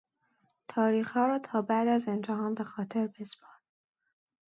تاریخها را تا بعد از امتحان به خاطر بسپار.